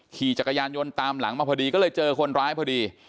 ขี่จักรยานยนต์ตามหลังมาพอดีก็เลยเจอคนร้ายพอดี